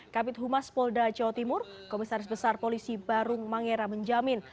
kabit humas polda jawa timur komisaris besar polisi barung mangera menjamin